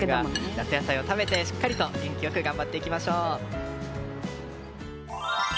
夏野菜を食べてしっかり元気良く頑張っていきましょう。